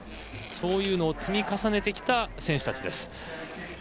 そういうのを積み重ねてきた選手たちです。